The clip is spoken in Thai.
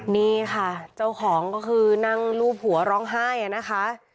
นี่ค่ะเจ้าของก็คือนั่งรูปหัวร้องไห้นะคะ